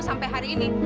sampai hari ini